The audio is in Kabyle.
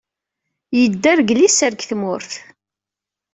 Yedder deg liser deg tmurt.